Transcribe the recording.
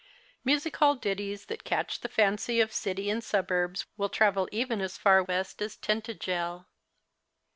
Music hall ditties that catch the fancy of city and subm bs will travel even as far west as Tintagel.